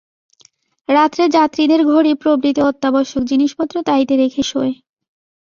রাত্রে যাত্রীদের ঘড়ি প্রভৃতি অত্যাবশ্যক জিনিষপত্র তাইতে রেখে শোয়।